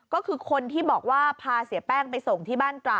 ก็คือคนที่บอกว่าพาเสียแป้งไปส่งที่บ้านตระ